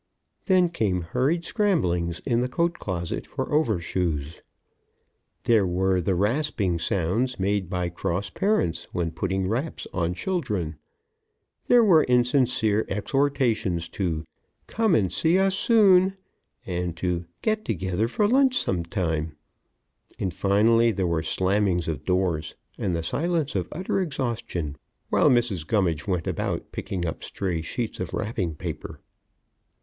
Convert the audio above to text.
Then came hurried scramblings in the coat closet for over shoes. There were the rasping sounds made by cross parents when putting wraps on children. There were insincere exhortations to "come and see us soon" and to "get together for lunch some time." And, finally, there were slammings of doors and the silence of utter exhaustion, while Mrs. Gummidge went about picking up stray sheets of wrapping paper.